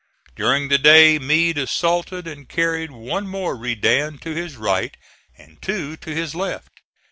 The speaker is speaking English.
During the day Meade assaulted and carried one more redan to his right and two to his left.